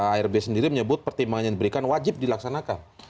arb sendiri menyebut pertimbangan yang diberikan wajib dilaksanakan